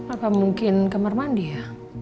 apa mungkin kamar mandi ya